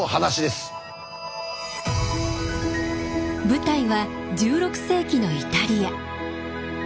舞台は１６世紀のイタリア。